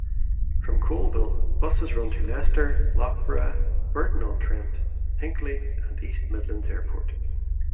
From Coalville, buses run to Leicester, Loughborough, Burton-on-Trent, Hinckley and East Midlands Airport.